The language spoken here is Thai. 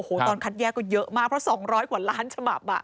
ตอนคัดแยกก็เยอะมากเพราะ๒๐๐กว่าล้านฉบับ